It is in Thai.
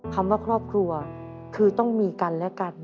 คำว่าครอบครัวคือต้องมีกันและกัน